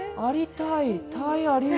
たいあり？